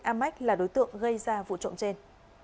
cơ quan công an xác định amec là đối tượng gây ra vụ trộm trên